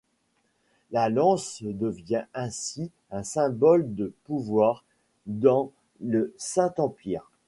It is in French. La lance devient ainsi un symbole de pouvoir dans le Saint Empire.